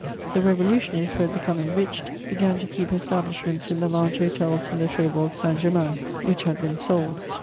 The revolutionists, who had become enriched, began to keep establishments in the large hotels in the Faubourg St. Ger main, which had been sold.